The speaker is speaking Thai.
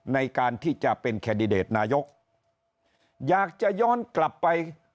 ในการที่จะเป็นแคนดิเดตนายกอยากจะย้อนกลับไป